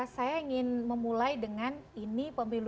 saya ingin memulai dengan ini pemilu dua ribu sembilan